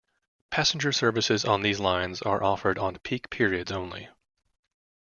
Passenger services on these lines are offered on peak periods only.